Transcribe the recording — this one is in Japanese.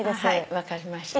分かりました。